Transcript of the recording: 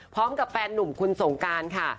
พร้อมกับแฟนหนุ่มคุณสงการค่ะ